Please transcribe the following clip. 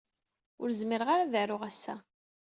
Ur zmireɣ ara ad aruɣ ass-a.